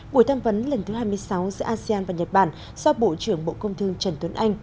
buổi tham vấn lần thứ hai mươi sáu giữa asean và nhật bản do bộ trưởng bộ công thương trần tuấn anh